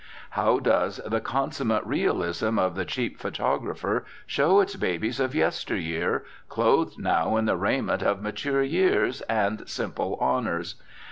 How does the consummate realism of the cheap photographer show its babies of yester year, clothed now in the raiment of mature years and simple honours?